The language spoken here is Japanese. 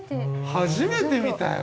初めて見たよ。